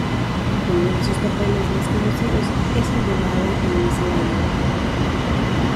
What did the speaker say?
Uno de sus papeles más conocidos es el de Naga en "Slayers".